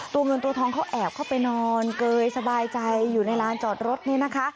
ตัวเงินตัวทองเขาแอบเข้าไปนอนเกยสบายใจอยู่ในร้านจอดรถนี่นะคะ